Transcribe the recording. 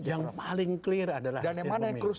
yang paling clear adalah hasil pemilu